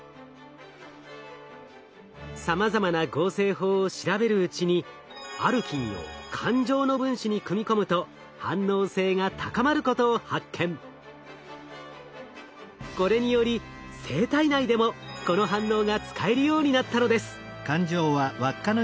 さまざまな合成法を調べるうちにアルキンをこれにより生体内でもこの反応が使えるようになったのです。